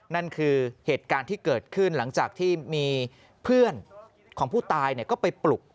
นั่นคือเหตุการณ์ที่เกิดขึ้นหลังจากที่มีเพื่อนของผู้ตายก็ไปปลุก